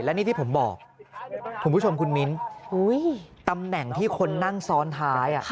และนี่ที่ผมบอกคุณผู้ชมคุณมิ้นตำแหน่งที่คนนั่งซ้อนท้าย